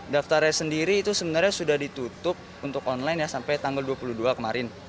daftarnya sendiri itu sebenarnya sudah ditutup untuk online ya sampai tanggal dua puluh dua kemarin